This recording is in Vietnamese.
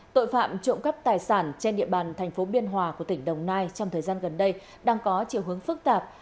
tội phạm trộm cắp tài sản trên địa bàn thành phố biên hòa của tỉnh đồng nai trong thời gian gần đây đang có chiều hướng phức tạp